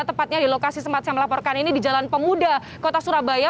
tepatnya di lokasi tempat saya melaporkan ini di jalan pemuda kota surabaya